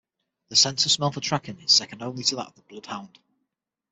Their sense of smell for tracking is second only to that of the Bloodhound.